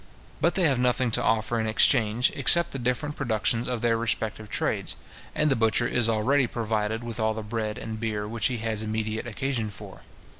But they have nothing to offer in exchange, except the different productions of their respective trades, and the butcher is already provided with all the bread and beer which he has immediate occasion for.